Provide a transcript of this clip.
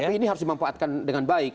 tapi ini harus dimanfaatkan dengan baik